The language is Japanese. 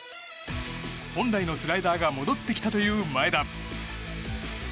本来のスライダーが戻ってきたという前田。